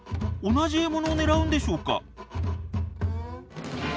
同じ獲物を狙うんでしょうか？